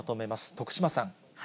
徳島さん。